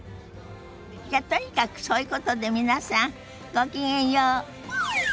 じゃとにかくそういうことで皆さんごきげんよう。